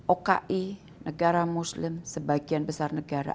oki negara muslim sebagian besar negara